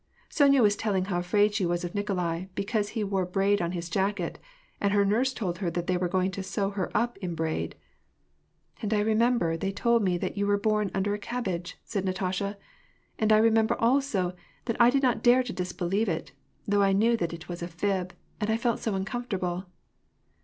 Sonya was telling how afraid she was of Nikolai, be cause he wore braid on his jacket ; and her nurse told her that they were going to sew her up in braid. And I remember they told me that you w^ere bom under a cabbage," said Natasha. " And I remember, also, that I did not dare to disbelieve it, though I knew that it was a fib, and so I felt uncomfortable."